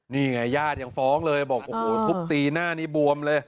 นี่ไงญาติยังฟ้องเลยบอกโอ้โหทุบตีหน้านี้บวมเลย